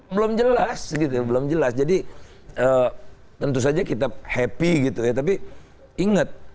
belum jelas gitu ya belum jelas jadi tentu saja kita happy gitu ya tapi inget